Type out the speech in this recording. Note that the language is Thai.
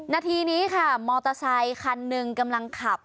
นาทีนี้ค่ะมอเตอร์ไซคันหนึ่งกำลังขับ